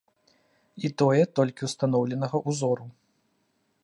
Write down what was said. І тое, толькі устаноўленага ўзору.